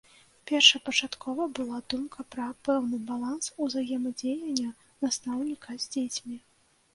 Першапачаткова была думка пра пэўны баланс узаемадзеяння настаўніка з дзецьмі.